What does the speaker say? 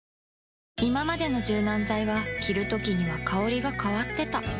いままでの柔軟剤は着るときには香りが変わってた